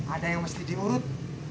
ada yang mesti diurut